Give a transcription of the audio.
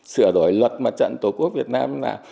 sửa đổi luật mặt trận tổ quốc việt nam là